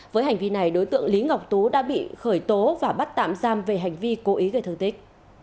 với hành vi này đối tượng lý ngọc tú đã bị khởi tố và bắt tạm giam về hành vi cố ý gây thương tích